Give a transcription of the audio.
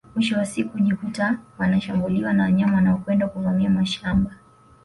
Mwisho wa siku hujikuta wanashambuliwa na wanyama wanaokwenda kuvamia mashamba